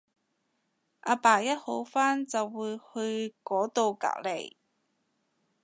阿爸一好翻就會去嗰到隔離